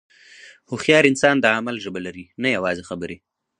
هوښیار انسان د عمل ژبه لري، نه یوازې خبرې.